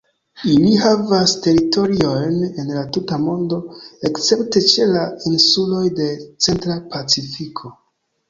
Ili havas teritoriojn en la tuta mondo, escepte ĉe la insuloj de centra Pacifiko.